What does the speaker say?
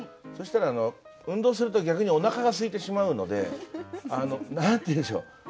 そしたら運動すると逆におなかがすいてしまうのであの何て言うんでしょう。